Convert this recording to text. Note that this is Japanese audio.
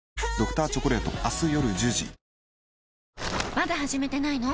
まだ始めてないの？